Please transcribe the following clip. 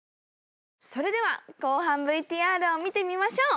それでは後半ＶＴＲを見てみましょう。